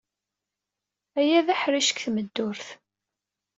Aya d aḥric seg tmeddurt.